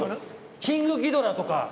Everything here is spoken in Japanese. キングギドラとか？